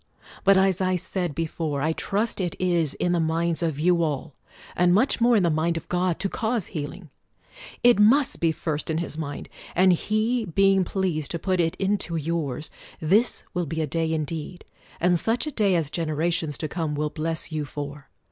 But, as I said before, I trust it is in the minds of you all, and much more in the mind of God, to cause healing. It must be first in His mind : and He being pleased to put it into yours, this will be a day indeed, and such a day as generations to come will bless you for